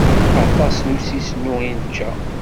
Aṭas n usisnu i nečča.